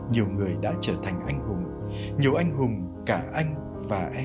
nhiều người đã trở thành anh hùng nhiều anh hùng cả anh và em